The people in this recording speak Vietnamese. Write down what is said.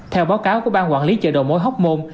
theo báo cáo của ban quản lý chợ đầu mối hóc môn